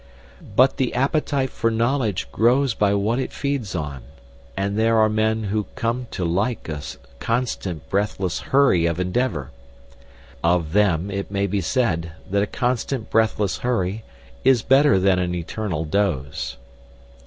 But the appetite for knowledge grows by what it feeds on, and there are men who come to like a constant breathless hurry of endeavour. Of them it may be said that a constant breathless hurry is better than an eternal doze.